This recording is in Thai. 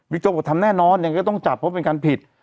โจ๊กบอกทำแน่นอนยังไงก็ต้องจับเพราะเป็นการผิด